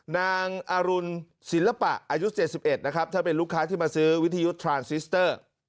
นางอรุณศิลปะอายุ๗๑นะครับท่านเป็นลูกค้าที่มาซื้อวิทยุทรานซิสเตอร์